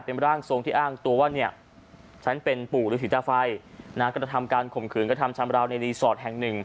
เป็นร่างทรงที่อ้างตัวว่าเนี่ยฉันเป็นปู่ฤษีตาไฟกระทำการข่มขืนกระทำชำราวในรีสอร์ทแห่งหนึ่ง